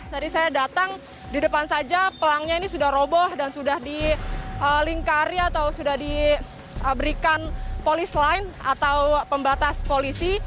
tadi saya datang di depan saja pelangnya ini sudah roboh dan sudah dilingkari atau sudah diberikan polis lain atau pembatas polisi